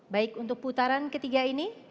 baik untuk putaran ketiga ini